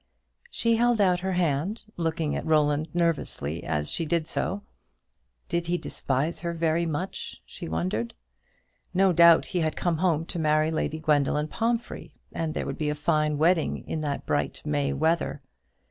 She held out her hand, looking at Roland nervously as she did so. Did he despise her very much? she wondered. No doubt he had come home to marry Lady Gwendoline Pomphrey, and there would be a fine wedding in the bright May weather.